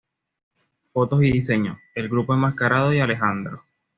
Fotos y diseño: El Grupo Enmascarado y Alejandro